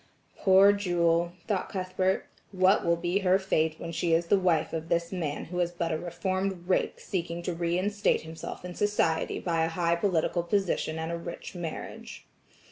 "Poor Jewel," thought Cuthbert, "what will be her fate when she is the wife of this man who is but a reformed rake seeking to re instate himself in society by a high political position and a rich marriage."